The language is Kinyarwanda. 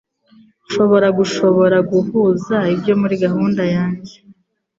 Nshobora gushobora guhuza ibyo muri gahunda yanjye.